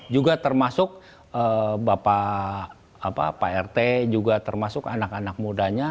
juga termasuk bapak rt juga termasuk anak anak mudanya